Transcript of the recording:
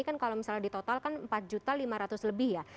kan kalau misalnya ditotalkan empat lima ratus lebih ya